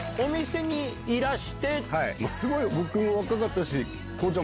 はい僕も若かったし。